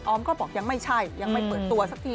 ก็บอกยังไม่ใช่ยังไม่เปิดตัวสักที